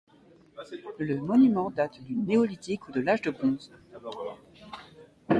Le monument date du Néolithique ou de l'Âge du Bronze.